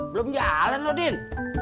belum jalan loh din